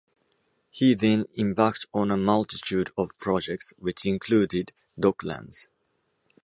He then embarked on a multitude of projects, which included Docklands.